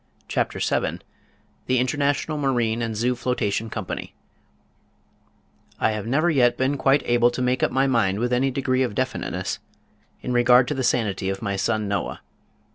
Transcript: CHAPTER VII THE INTERNATIONAL MARINE AND ZOO FLOTATION COMPANY I have never yet been quite able to make up my mind with any degree of definiteness in regard to the sanity of my son Noah.